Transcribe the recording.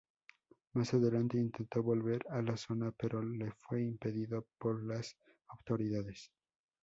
Más adelante intentó volver a la zona pero le fue impedido por las autoridades.